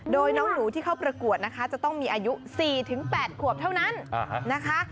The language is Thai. โดยน้องหนูที่เข้าประกวดนะคะจะต้องมีอายุ๔๘ขวบเท่านั้นนะคะ